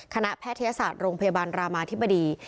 แพทยศาสตร์โรงพยาบาลรามาธิบดี